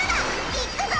いっくぞ！